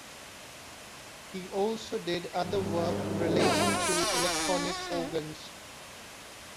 He also did other work relating to electronic organs.